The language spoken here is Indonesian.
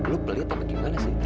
lu pelit apa gimana sih